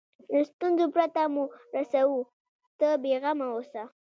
له ستونزو پرته مو رسوو ته بیغمه اوسه.